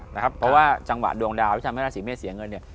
เพราะว่าจังหวะดวงดาวที่ทำให้ราศีเมษเสียเงินเนี่ย